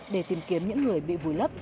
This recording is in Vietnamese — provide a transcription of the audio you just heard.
để tìm kiếm những người bị vùi lấp